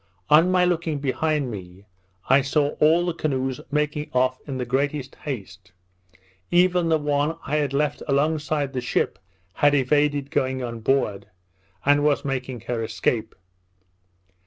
On my looking behind me, I saw all the canoes making off in the greatest haste; even the one I had left alongside the ship had evaded going on board, and was making her escape.